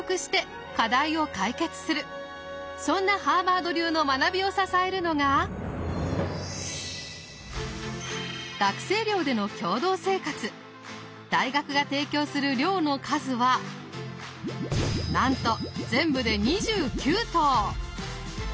そんなハーバード流の学びを支えるのが大学が提供する寮の数はなんと全部で２９棟！